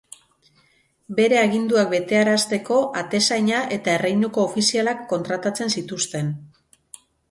Bere aginduak betearazteko Atezaina eta Erreinuko Ofizialak kontratatzen zituzten.